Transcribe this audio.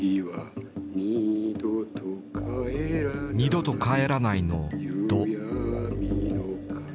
「２度と帰らない」の「ど」。